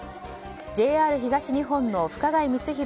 ＪＲ東日本の深谷光浩